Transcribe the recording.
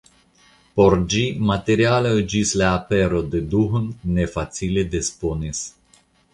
Por ĝi materialoj ĝis la apero de Duhn ne facile disponis.